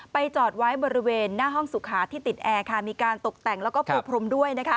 จอดไว้บริเวณหน้าห้องสุขาที่ติดแอร์มีการตกแต่งแล้วก็ปูพรมด้วย